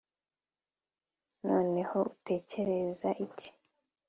noneho, utekereza iki